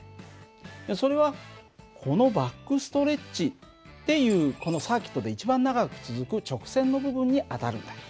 それはこのバックストレッチっていうこのサーキットで一番長く続く直線の部分に当たるんだ。